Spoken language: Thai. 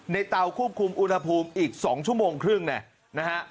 เตาควบคุมอุณหภูมิอีก๒ชั่วโมงครึ่งเนี่ยนะฮะ